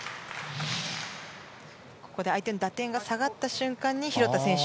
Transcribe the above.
相手の打点が下がった瞬間に廣田選手